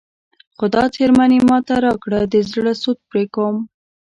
خو دا څرمن یې ماته راکړه د زړه سود پرې کوم.